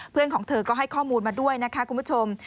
ของเธอก็ให้ข้อมูลมาด้วยนะคะคุณผู้ชม